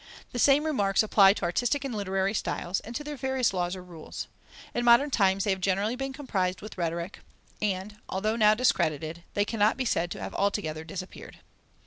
The same remarks apply to artistic and literary styles, and to their various laws or rules. In modern times they have generally been comprised with rhetoric, and although now discredited, they cannot be said to have altogether disappeared.